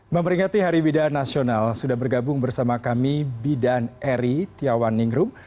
memperingati hari bidan nasional sudah bergabung bersama kami bidan eri tiawan ningrum